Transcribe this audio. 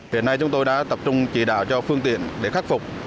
hiện nay chúng tôi đã tập trung chỉ đạo cho phương tiện để khắc phục